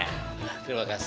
nah terima kasih